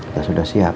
kita sudah siap